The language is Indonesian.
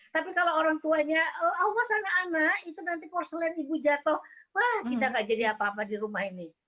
tapi kalau orang tuanya oh mas anak anak itu nanti porselen ibu jatuh wah kita gak jadi apa apa di rumah ini